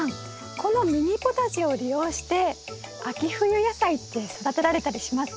このミニポタジェを利用して秋冬野菜って育てられたりしますか？